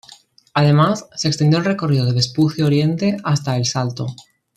Además, se extendió el recorrido de Vespucio Oriente hasta El Salto.